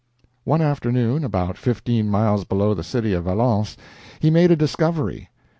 One afternoon, about fifteen miles below the city of Valence, he made a discovery.